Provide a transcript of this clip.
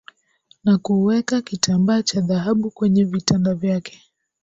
na kuweka kitambaa cha dhahabu kwenye vitanda vyake